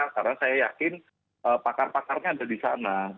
karena saya yakin pakar pakarnya ada di sana